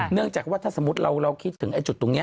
เนื่องจากว่าถ้าสมมุติเราคิดถึงจุดตรงนี้